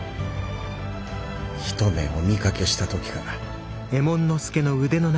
一目お見かけした時から。